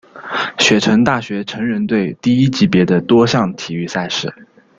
雪城大学橙人队第一级别的多项体育赛事。